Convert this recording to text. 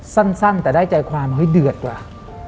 สั้นแต่ได้ใจความเฮ้ยเดือดกว่า